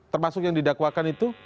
termasuk yang didakwakan itu